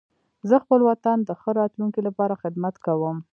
زه خپل وطن د ښه راتلونکي لپاره خدمت کوم.